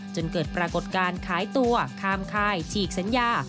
จนเกิดปรากฏการณ์ขายตัวคามคายฉีกสัญญา